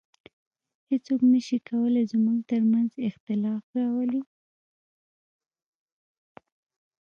هیڅوک نسي کولای زموږ تر منځ اختلاف راولي